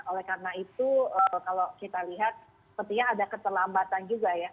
oleh karena itu kalau kita lihat sepertinya ada keterlambatan juga ya